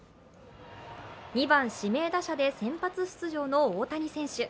２番・指名打者で先発出場の大谷選手。